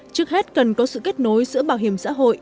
trước hết cần có sự kết nối giữa bảo hiểm xã hội